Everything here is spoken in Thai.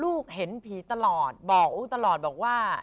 ลูกเห็นผีตลอดบอกอู้ตลอดบอกว่า